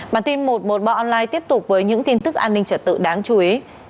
bản tin một trăm một mươi ba online tiếp tục với những tin tức an ninh trật tự đáng chú ý